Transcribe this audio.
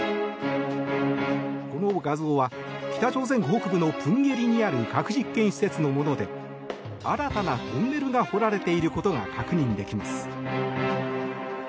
この画像は北朝鮮北部のプンゲリにある核実験施設のもので新たなトンネルが掘られていることが確認できます。